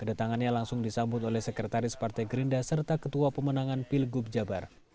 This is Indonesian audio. kedatangannya langsung disambut oleh sekretaris partai gerindra serta ketua pemenangan pilgub jabar